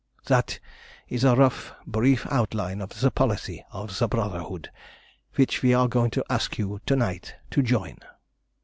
"That is a rough, brief outline of the policy of the Brotherhood, which we are going to ask you to night to join.